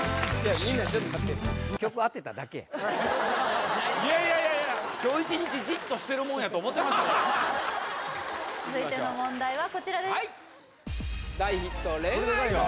みんなちょっと待っていやいやいや今日一日じっとしてるもんやと思うてましたやん続いての問題はこちらですいきましょう